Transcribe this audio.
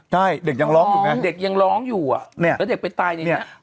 ใช่เด็กยังร้องอยู่ไงเด็กยังร้องอยู่อ่ะเนี่ยแล้วเด็กไปตายเนี่ย